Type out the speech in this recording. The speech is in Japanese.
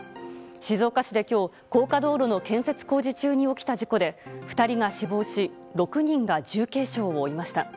静岡市で今日、高架道路の建設工事中に起きた事故で２人が死亡し６人が重軽傷を負いました。